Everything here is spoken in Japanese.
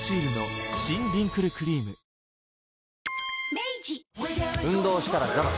明治運動したらザバス。